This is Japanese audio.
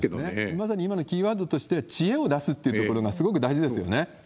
まさに今のキーワードとして、知恵を出すっていうところがすごく大事ですよね。